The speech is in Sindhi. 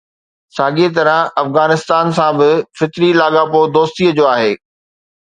ساڳيءَ طرح افغانستان سان به فطري لاڳاپو دوستيءَ جو آهي.